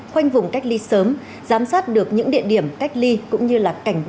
khoanh vùng cách ly sớm giám sát được những địa điểm cách ly